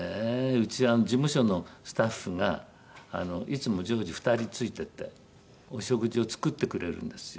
うち事務所のスタッフがいつも常時２人ついててお食事を作ってくれるんですよ